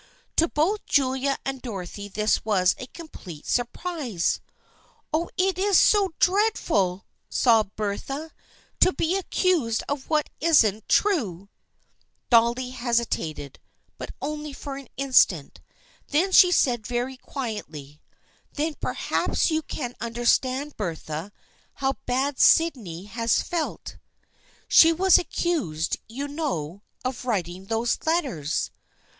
To both Julia and Dorothy this was a complete surprise. " Oh, it is so dreadful," sobbed Bertha, " to be accused of what isn't true !" Dolly hesitated, but only for an instant. Then she said very quietly :" Then perhaps you can understand, Bertha, how badly Sydney has felt. THE FRIENDSHIP OF ANNE 273 She was accused, you know, of writing those letters."